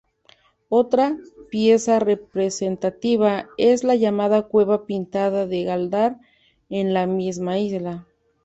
Otra pieza representativa es la llamada cueva pintada de Gáldar, en la misma isla.